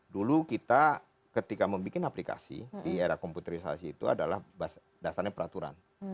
dulu kita ketika membuat aplikasi di era komputerisasi itu adalah dasarnya peraturan